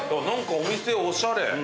何かお店おしゃれ。